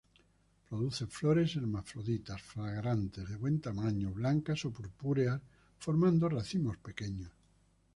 Produce flores hermafroditas, fragantes, de buen tamaño, blancas o purpúreas, formando racimos pequeños.